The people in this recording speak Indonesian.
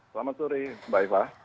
selamat sore baiklah